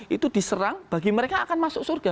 itu diserang bagi mereka akan masuk surga